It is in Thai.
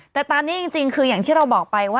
แต่ตามนี้จริงคืออย่างที่เราบอกไปว่า